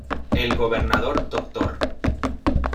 El Gobernador Dr.